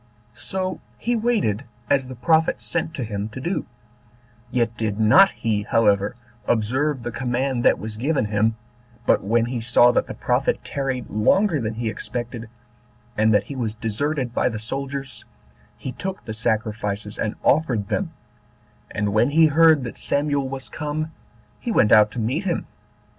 So he waited 11 as the prophet sent to him to do; yet did not he, however, observe the command that was given him, but when he saw that the prophet tarried longer than he expected, and that he was deserted by the soldiers, he took the sacrifices and offered them; and when he heard that Samuel was come, he went out to meet him.